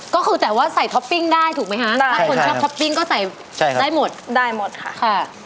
ก็คือแต่ว่าใส่ท็อปปิ้งได้ถูกไหมคะถ้าคนชอบท็อปปิ้งก็ใส่ได้หมดได้หมดค่ะค่ะ